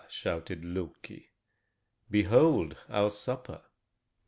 shouted Loki. "Behold our supper!"